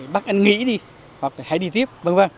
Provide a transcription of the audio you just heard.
bắt anh nghỉ đi hoặc là hãy đi tiếp v v